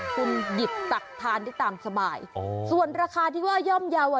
คุณหยิบตักทานได้ตามสบายอ๋อส่วนราคาที่ว่าย่อมเยาว์อ่ะ